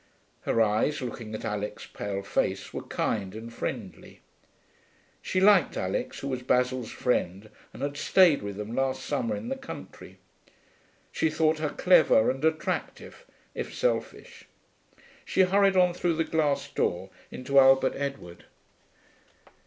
Her eyes, looking at Alix's pale face, were kind and friendly. She liked Alix, who was Basil's friend and had stayed with them last summer in the country. She thought her clever and attractive, if selfish. She hurried on through the glass door into Albert Edward.